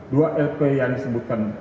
dua lp yang disebutkan